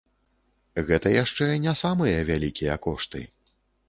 Гэта яшчэ не самыя вялікія кошты.